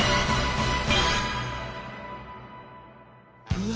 うわ。